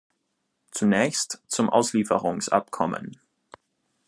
Zunächst zum Auslieferungsabkommen.